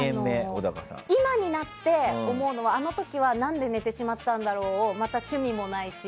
今になって思うのはあの時は何で寝てしまったんだろうをまた趣味もないし。